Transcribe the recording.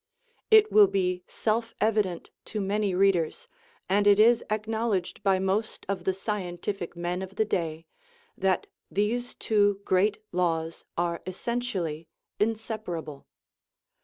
"* It will be self evident to many readers, and it is acknowl edged by most of the scientific men of the day, that these two great laws are essentially inseparable.